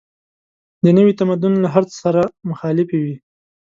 د نوي تمدن له هر څه سره مخالفې وې.